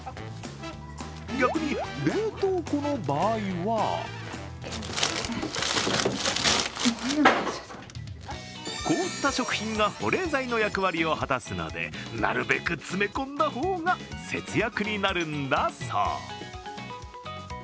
逆に、冷凍庫の場合は凍った食品が保冷剤の役割を果たすのでなるべく詰め込んだ方が節約になるんだそう。